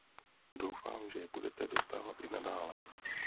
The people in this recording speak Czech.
Doufám, že je budete dostávat i nadále.